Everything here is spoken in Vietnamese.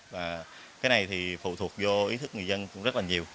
và cái này thì phụ thuộc vô ý thức người dân cũng rất là nhiều